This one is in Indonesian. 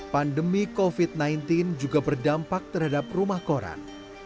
pandemi covid sembilan belas juga berdampak terhadap rumah koran